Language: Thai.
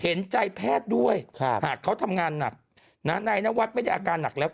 เห็นใจแพทย์ด้วยหากเขาทำงานหนักนายนวัดไม่ได้อาการหนักแล้ว